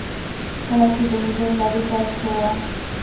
کله چې د هجرت لړۍ پيل شوه.